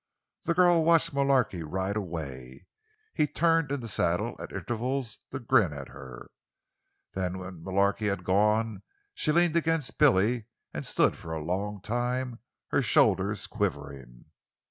The girl watched Mullarky ride away. He turned in the saddle, at intervals, to grin at her. Then, when Mullarky had gone she leaned against Billy and stood for a long time, her shoulders quivering.